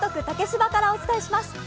竹芝からお伝えします。